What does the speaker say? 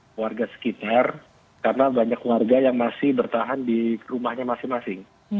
keluarga sekitar karena banyak warga yang masih bertahan di rumahnya masing masing